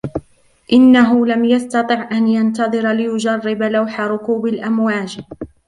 إنهُ لم يستطع أن ينتظر ليجرب لوح ركوب الأمواج.